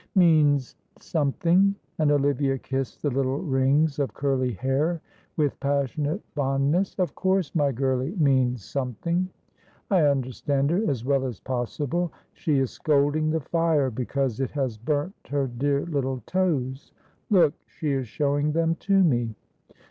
"Means something!" and Olivia kissed the little rings of curly hair with passionate fondness. "Of course my girlie means something! I understand her as well as possible. She is scolding the fire, because it has burnt her dear little toes. Look, she is showing them to me.